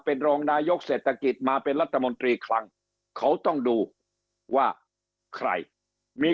เป็นรองนายกเศรษฐกิจมาเป็นรัฐมนตรีคลังเขาต้องดูว่าใครมี